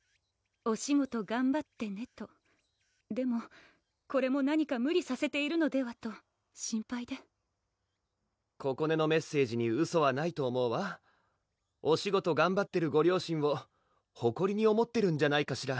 「お仕事がんばってね」とでもこれも何か無理させているのではと心配でここねのメッセージにウソはないと思うわお仕事がんばってるご両親をほこりに思ってるんじゃないかしら